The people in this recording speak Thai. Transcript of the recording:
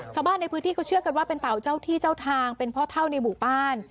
ชาวบ้านในพื้นที่เขาเชื่อกันว่าเป็นเต่าเจ้าที่เจ้าทางเป็นพ่อเท่าในหมู่บ้าน